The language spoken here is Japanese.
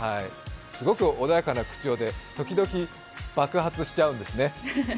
すごく穏やかな口調で時々爆発しちゃうんですね。